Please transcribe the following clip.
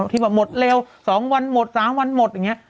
ที่ว่าหมดเร็ว๒วันหมด๓วันหมดอย่างนี้